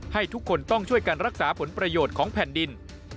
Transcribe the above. ให้ทุกคนต้องช่วยกันรักษาผลประโยชน์ของแผ่นดิน